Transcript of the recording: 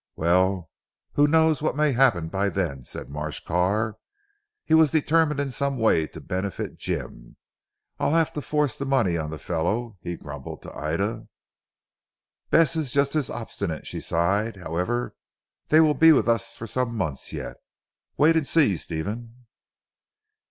"Well, who knows what may happen by then," said Marsh Carr. He was determined in some way to benefit Jim. "I'll have to force the money on the fellow' he grumbled to Ida. "Bess is just as obstinate," she sighed, "however they will be with us for some months yet. Wait and see, Stephen."